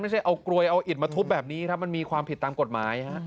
ไม่ใช่เอากลวยเอาอิดมาทุบแบบนี้ครับมันมีความผิดตามกฎหมายฮะ